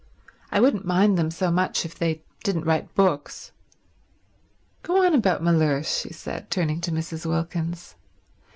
I wouldn't mind them so much if they didn't write books. Go on about Mellersh," she said, turning to Mrs. Wilkins.